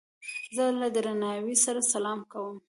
زه له درناوي سره سلام کوم.